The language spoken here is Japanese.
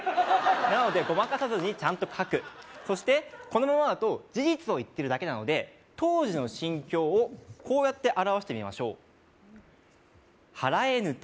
なのでごまかさずにちゃんと書くそしてこのままだと事実を言ってるだけなので当時の心境をこうやって表してみましょう「払えぬと」